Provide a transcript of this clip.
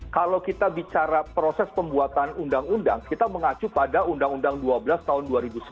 kalau kita bicara proses pembuatan undang undang kita mengacu pada undang undang dua belas tahun dua ribu sebelas